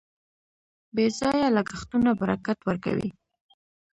بې ځایه لګښتونه برکت ورکوي.